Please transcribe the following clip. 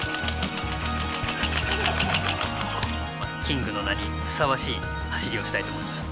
キングの名にふさわしい走りをしたいと思います。